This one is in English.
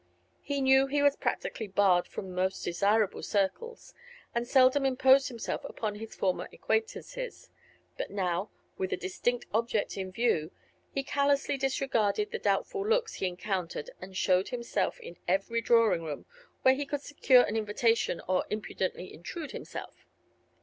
He knew he was practically barred from the most desirable circles and seldom imposed himself upon his former acquaintances; but now, with a distinct object in view, he callously disregarded the doubtful looks he encountered and showed himself in every drawing room where he could secure an invitation or impudently intrude himself.